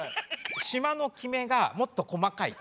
しまのきめがもっと細かい。